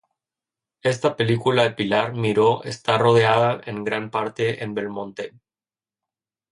Esta película de Pilar Miró está rodada en gran parte en Belmonte.